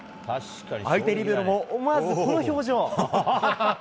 相手リベロも思わずこの表情。